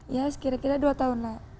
ya sekira kira dua tahun lah